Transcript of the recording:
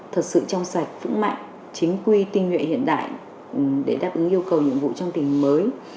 thật sự trong sạch vững mạnh chính quy tinh nguyện hiện đại để đáp ứng yêu cầu nhiệm vụ trong tình hình mới